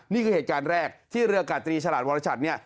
นี่คือเหตุการณ์แรกที่เรือกาตรีฉลาดวรชัดเนี่ย